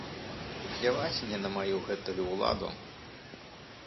Пляваць мне на маю гэтую ўладу.